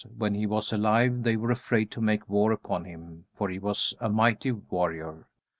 When he was alive they were afraid to make war upon him, for he was a mighty warrior.